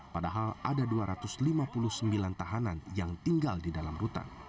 padahal ada dua ratus lima puluh sembilan tahanan yang tinggal di dalam rutan